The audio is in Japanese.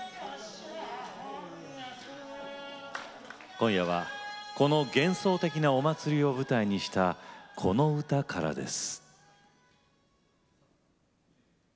今夜は、この幻想的なお祭りを舞台にしたこの歌からです。